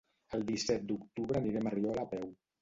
El disset d'octubre anirem a Riola a peu.